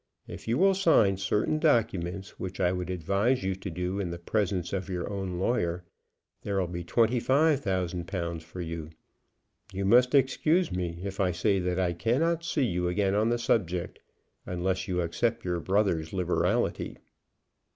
If you will sign certain documents, which I would advise you to do in the presence of your own lawyer, there will be twenty five thousand pounds for you. You must excuse me if I say that I cannot see you again on the subject, unless you accept your brother's liberality."